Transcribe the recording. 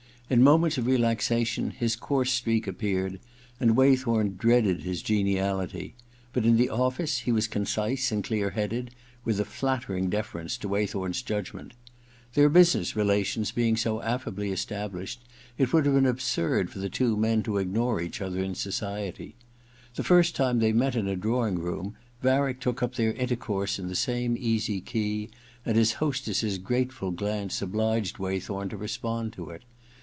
In moments of relaxation his coarse streak appeared, and Waythorn dreaded his geniality ; but in the office he was concise and clear headed, with a flattering deference to Waythorn's judgment. Their business relations being so afllably estab lished, it would have been absurd for the two men to ignore each other in society. The first time they met in a drawing room, Varick took up their intercourse in the same easy key, and his hostesses grateful glance obliged Waythorn to respond to it.